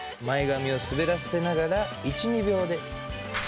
前髪をすべらせながら１２秒で。